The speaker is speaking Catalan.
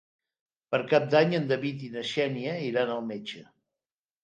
Per Cap d'Any en David i na Xènia iran al metge.